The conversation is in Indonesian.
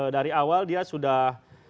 dari awal dia sudah